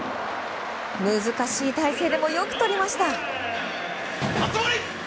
難しい体勢でもよくとりました。